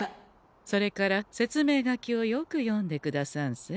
それから説明書きをよく読んでくださんせ。